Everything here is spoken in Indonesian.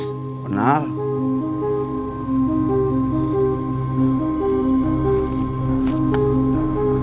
iya kenal sama kang mus